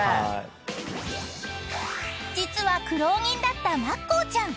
［実は苦労人だったまっこーちゃん］